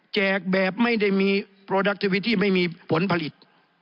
แจกแบบไม่ได้มีไม่มีผลผลิต